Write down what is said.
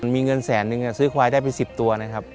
มีเงินแสนนึงซื้อควายได้ไป๑๐ตัวนะครับ